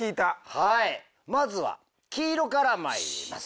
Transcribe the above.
はいまずは黄色から参ります。